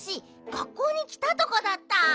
学校にきたとこだった。